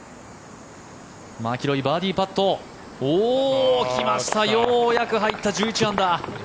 マキロイ、バーディーパット。来ました、ようやく入った１１アンダー。